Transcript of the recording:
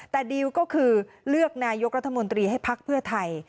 แต่ดิวก็คือเลือกนายกรัฐมนตรีให้พักเพื่อไทย